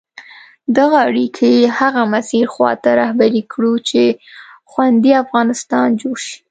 دغه اړیکي هغه مسیر خواته رهبري کړو چې خوندي افغانستان جوړ شي.